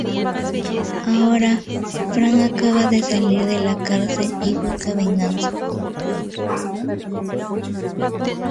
Ahora, Frank acaba de salir de la cárcel y busca venganza...